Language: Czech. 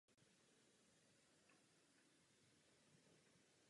Střední školy zastupuje Gymnázium a Střední odborná škola.